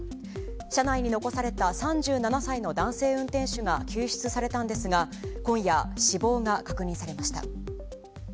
車内に残された３７歳の男性運転手が救出されたんですが今夜、死亡が確認されました。